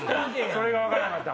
それが分からんかった。